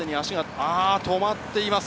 ああ、止まっています。